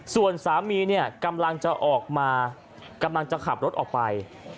ส่วนสามีเนี่ยกำลังจะออกมากำลังจะขับรถออกไป